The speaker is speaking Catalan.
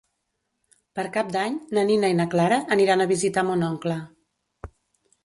Per Cap d'Any na Nina i na Clara aniran a visitar mon oncle.